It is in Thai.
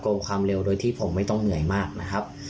ความเร็วโดยที่ผมไม่ต้องเหนื่อยมากนะครับ